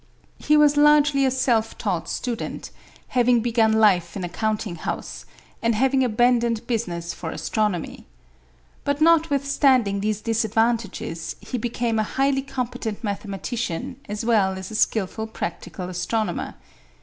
He was largely a self taught student, having begun life in a counting house, and having abandoned business for astronomy. But notwithstanding these disadvantages, he became a highly competent mathematician as well as a skilful practical astronomer.